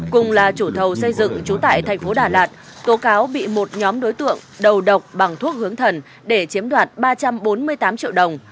cùng là chủ thầu xây dựng trú tại thành phố đà lạt tố cáo bị một nhóm đối tượng đầu độc bằng thuốc hướng thần để chiếm đoạt ba trăm bốn mươi tám triệu đồng